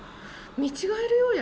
見違えるようや。